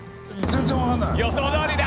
予想どおりだ！